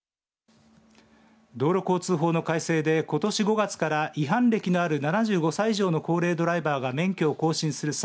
道路交通法の改正でことし５月から違反歴のある７５歳以上の高齢ドライバーが免許を更新する際